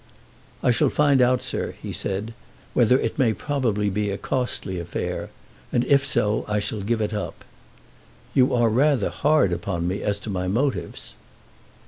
"I shall find out, sir," he said, "whether it may probably be a costly affair, and if so I shall give it up. You are rather hard upon me as to my motives."